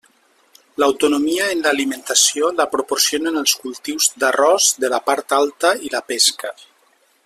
L'autonomia en l'alimentació la proporcionen els cultius d'arròs de la part alta i la pesca.